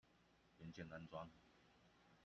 元件安裝